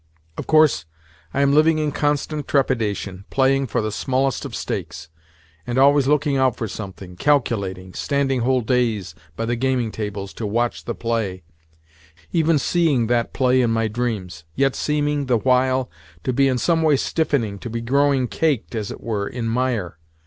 Of course, I am living in constant trepidation, playing for the smallest of stakes, and always looking out for something—calculating, standing whole days by the gaming tables to watch the play—even seeing that play in my dreams—yet seeming, the while, to be in some way stiffening, to be growing caked, as it were, in mire.